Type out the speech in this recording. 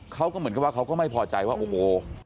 เขาก็เหมือนกับว่าเขาก็ไม่พอใจว่าโอ้โห